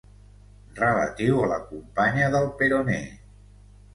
Relatiu a la companya del peroné.